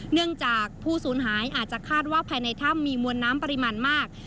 เนื่องจากผู้สูญหายอาจจะคาดว่าภายในถ้ำมีมวลน้ำปริมาณมาก